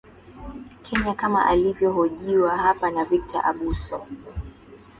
kenya kama anavyohojiwa hapa na victor abuso